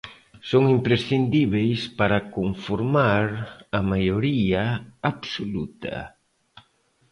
Son imprescindíbeis para conformar a maioría absoluta.